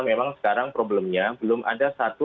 memang sekarang problemnya belum ada satu